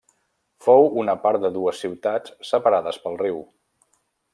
Fou una part de dues ciutats separades pel riu.